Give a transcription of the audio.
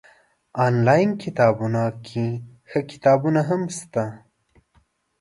انلاين کتابتون کي ښه کتابونه هم شته